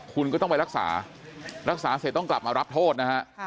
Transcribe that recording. คุณก็ต้องไปรักษารักษาเสร็จต้องกลับมารับโทษนะฮะ